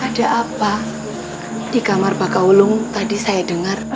ada apa di kamar baka wulung tadi saya dengar